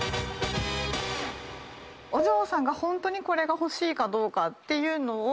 ⁉お嬢さんがホントにこれが欲しいかどうかっていうのを。